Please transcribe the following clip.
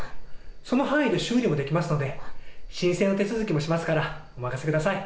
その範囲で修理もできますので、申請の手続きもしますから、お任せください。